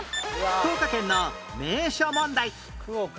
福岡県の名所問題